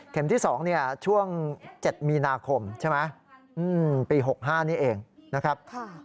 เข็มที่๒ช่วง๗มีนาคมปี๖๕นี่เองนะครับ